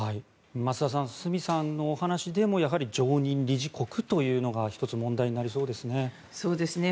増田さん角さんのお話でもやはり常任理事国というのが１つ、問題になりそうですね。